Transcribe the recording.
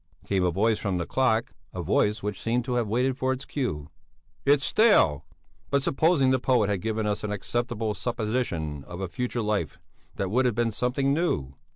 came a voice from the clock, a voice which seemed to have waited for its cue. "It's stale! But, supposing the poet had given us an acceptable supposition of a future life, that would have been something new."